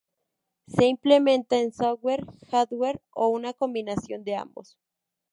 Se implementa en software, hardware o una combinación de ambos.